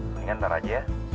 mendingan ntar aja ya